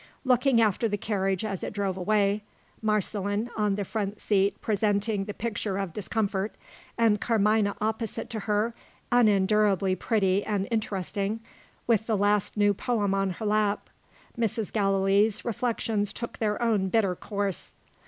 Looking after the carriage as it drove away Marceline on the front seat presenting the picture of discomfort; and Carmina opposite to her, unendurably pretty and interesting, with the last new poem on her lap Mrs. Gallilee's reflections took their own bitter course.